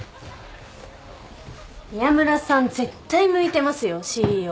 宮村さん絶対向いてますよＣＥＯ。